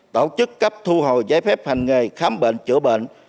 tổ chức cấp thu hồi giấy phép hành nghề khám bệnh chữa bệnh